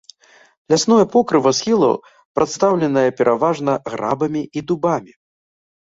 Лясное покрыва схілаў прадстаўленае пераважна грабамі і дубамі.